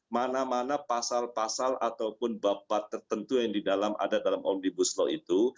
mana mana pasal pasal ataupun bapak tertentu yang ada di dalam omnibus law itu